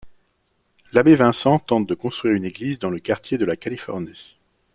L'abbé Vincent tente de construire une église dans le quartier de La Californie.